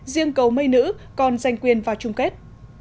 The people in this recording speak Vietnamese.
riêng cầu mây nữ còn giành quyền vào chung kết